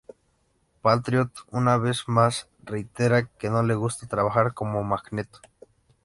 Patriot una vez más reitera que no le gusta trabajar con Magneto.